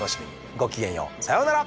ごきげんようさよなら。